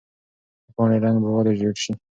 د پاڼې رنګ به ولې ژېړ شي؟